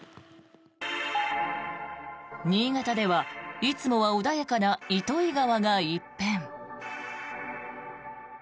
新潟ではいつもは穏やかな糸魚川が一変。